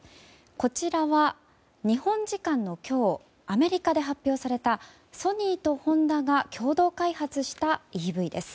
こちらは日本時間の今日アメリカで発表されたソニーとホンダが共同開発したＥＶです。